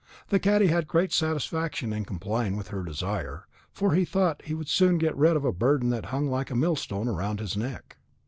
The cadi had great satisfaction in complying with her desire, for he thought he would soon get rid of a burden that hung like a millstone round his neck.